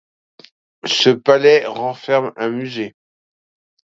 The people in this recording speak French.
Ce palais renferme un musée.